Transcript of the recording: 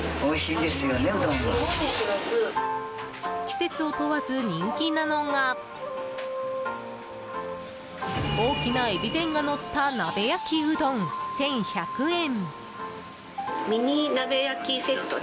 季節を問わず、人気なのが大きなエビ天がのった鍋焼きうどん、１１００円。